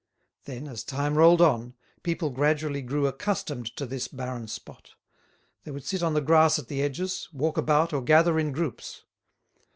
Then, as time rolled on, people gradually grew accustomed to this barren spot; they would sit on the grass at the edges, walk about, or gather in groups.